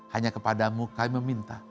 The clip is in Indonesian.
hanya kepadamu kami meminta